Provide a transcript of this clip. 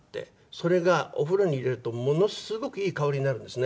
それがお風呂に入れるとものすごくいい香りになるんですね。